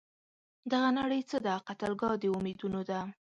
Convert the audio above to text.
دغه نړۍ څه ده؟ قتلګاه د امیدونو ده